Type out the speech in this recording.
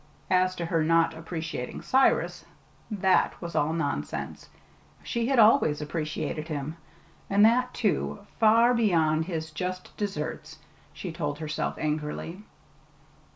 As to her not appreciating Cyrus that was all nonsense; she had always appreciated him, and that, too, far beyond his just deserts, she told herself angrily.